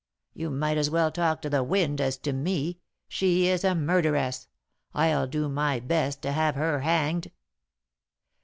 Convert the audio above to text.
"You might as well talk to the wind as to me. She is a murderess; I'll do my best to have her hanged."